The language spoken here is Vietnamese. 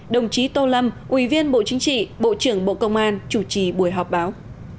đồng chí tô lâm ủy viên bộ chính trị bộ trưởng bộ công an chủ trì buổi họp báo